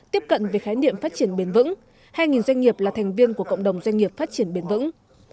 tiếp cận về khái niệm phát triển bền vững hai doanh nghiệp là thành viên của cộng đồng doanh nghiệp phát triển bền vững